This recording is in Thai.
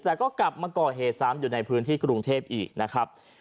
แต่ก็กลับมาก่อเหตุซ้ำอยู่ในพื้นที่กรุงเทพอีกนะครับ